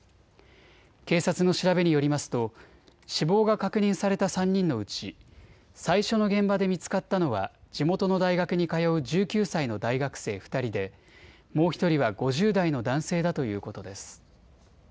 警察の調べによりますと死亡が確認された３人のうち最初の現場で見つかったのは地元の大学に通う１９歳の大学生２人で、もう１人は５０代の男性だということです。